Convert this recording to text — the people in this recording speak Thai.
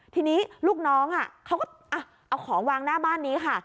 ทีนี้ลูกน้องเขาก็เอาของวางหน้าบ้านนี้ค่ะ